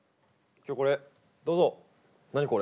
今日これどうぞ。何？